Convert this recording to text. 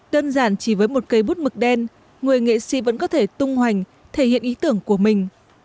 đơn giản chỉ với một cây bút mực đen người nghệ sĩ vẫn có thể tung hoành thể hiện ý tưởng của mình